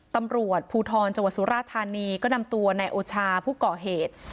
ตำรวจภูทรจสุรธานีก็นำตัวนายโอชาผู้เกาะเหตุ